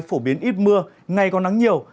phụ biến ít mưa ngày có nắng nhiều